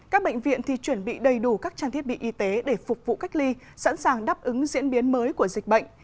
các bệnh viện thì chuẩn bị đầy đủ các trang thiết bị y tế để phục vụ cách ly sẵn sàng đáp ứng diễn biến mới của dịch bệnh